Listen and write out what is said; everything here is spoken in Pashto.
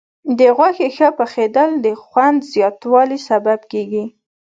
د غوښې ښه پخېدل د خوند زیاتوالي سبب کېږي.